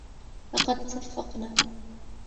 لقد صفقنا.